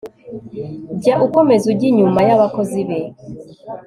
jya ukomeza ujye inyuma y'abakozi be